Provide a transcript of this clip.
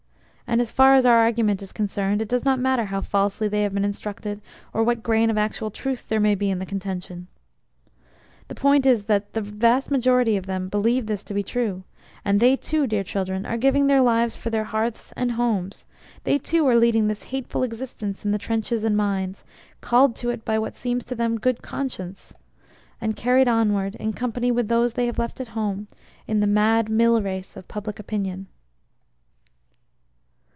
And as far as our argument is concerned it does not matter how falsely they have been instructed or what grain of actual truth there may be in the contention. The point is that the vast majority of them believe this to be true; and they too, dear children, are giving their lives for their hearths and homes they too are leading this hateful existence in trenches and mines, called to it by what seems to them a good conscience, and carried onward (in company with those they have left at home) in the mad millrace of public opinion.